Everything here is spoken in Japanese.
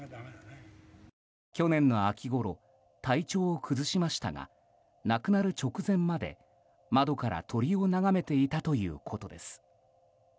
去年の秋ごろ体調を崩しましたが亡くなる直前まで窓から鳥を眺めていたということです。